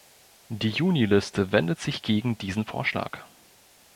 Die Juniliste wendet sich gegen diesen Vorschlag.